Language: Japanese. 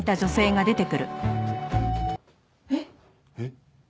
えっ？えっ？